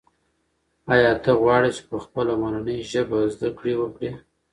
آیا ته غواړې چې په خپله مورنۍ ژبه زده کړه وکړې؟